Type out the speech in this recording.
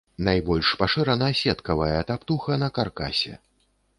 Найбольш пашырана сеткавая таптуха на каркасе.